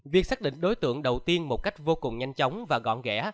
việc xác định đối tượng đầu tiên một cách vô cùng nhanh chóng và gọn ghẽ